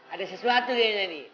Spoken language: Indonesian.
ada sesuatu ya nani